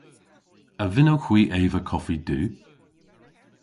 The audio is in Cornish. A vynnowgh hwi eva koffi du?